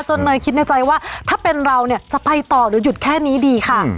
เนยคิดในใจว่าถ้าเป็นเราเนี่ยจะไปต่อหรือหยุดแค่นี้ดีค่ะ